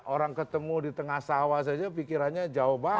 orang ketemu di tengah sawah saja pikirannya jauh banget